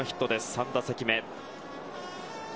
３打席目。